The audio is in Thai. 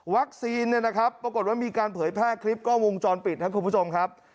เนี่ยนะครับปรากฏว่ามีการเผยแพร่คลิปกล้องวงจรปิดครับคุณผู้ชมครับ